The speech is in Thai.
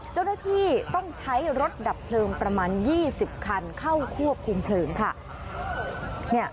เจ้าหน้าที่ต้องใช้รถดับเพลิงประมาณ๒๐คันเข้าควบคุมเพลิงค่ะ